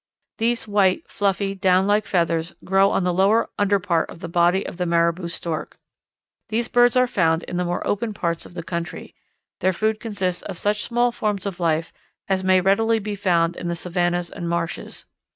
These white, fluffy, downlike feathers grow on the lower underpart of the body of the Maribou Stork. These birds are found in the more open parts of the country. Their food consists of such small forms of life as may readily be found in the savannas and marshes.